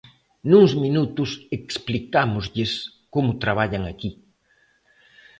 Nuns minutos explicámoslles como traballan aquí.